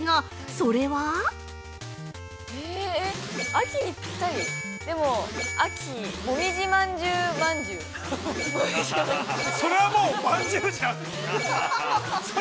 それはもみじまんじゅうじゃん。